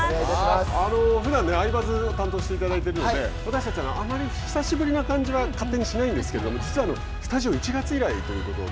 ふだん「アイバズ」を担当していただいているので私たち、久しぶりな感じは勝手にしないんですけども実はスタジオは１月以来ということで。